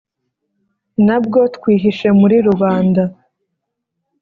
nabwo twihishe muri rubanda